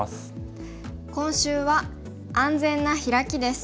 今週は「安全なヒラキ」です。